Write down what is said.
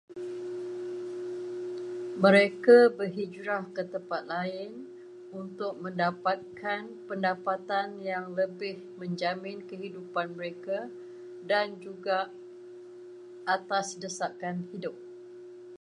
Mereka berhijrah ke tempat lain untuk mendapatkan pendapatan yang lebih menjamin kehidupan mereka dan juga atas desakan hidup.